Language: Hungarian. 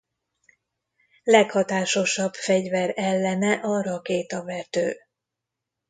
Leghatásosabb fegyver ellene a rakétavető.